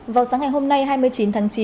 vào sáng ngày hôm nay hai mươi chín tháng chín